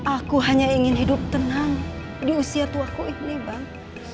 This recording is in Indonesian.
aku hanya ingin hidup tenang di usia tuaku ini bang